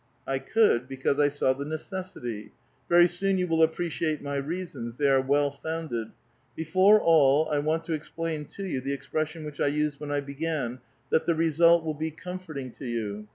'' I could, because I saw the necessity. Very soon you will appreciate my reasons ; tliey are well founded. Before all, I want to explain to you the expression which I used when I began, 'that the result will be comforting to you.